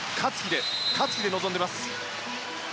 勝つ気で臨んでいます。